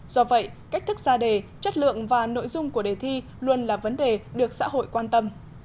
do vậy cách thức ra đề chất lượng và nội dung của đề thi luôn là vấn đề được xã hội quan tâm